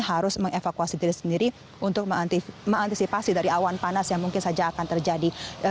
harus mengevakuasi diri sendiri untuk mengantisipasi dari awan panas yang mungkin saja akan terjadi